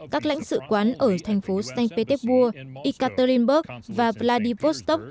các lãnh sự quán ở thành phố st petersburg ikaterinburg và vladivostok